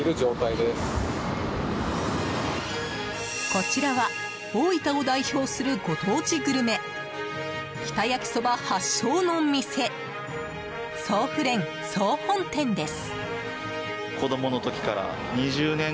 こちらは大分を代表するご当地グルメ日田焼きそば発祥の店想夫恋総本店です。